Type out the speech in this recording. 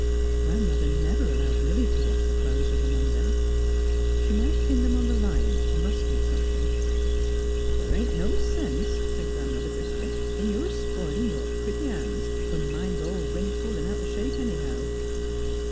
Grandmother never allowed Milly to wash the clothes of a Monday. She might pin them to the line if she must do something, '' But the' ain't no sense," said Grandmother, briskly, " in your spilin' your pretty han's when mine's all wrinkled an' out o' shape, anyhow."